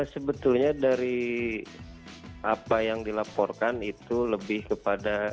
sebetulnya dari apa yang dilaporkan itu lebih kepada